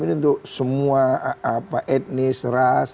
ini untuk semua etnis ras